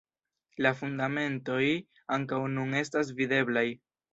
La fundamentoj ankaŭ nun estas videblaj.